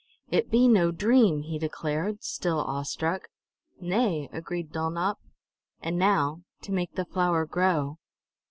"It be no dream!" he declared, still awestruck. "Nay," agreed Dulnop. "And now to make the flower grow!"